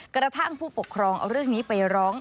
กระทั่งผู้ปกครองเอาเรื่องนี้ไปร้อง